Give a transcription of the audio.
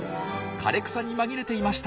枯れ草に紛れていました。